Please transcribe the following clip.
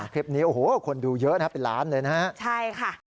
คลิปนี้โอ้โหคนดูเยอะนะเป็นล้านเลยนะฮะใช่ค่ะ